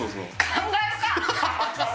考えるか！